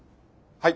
はい。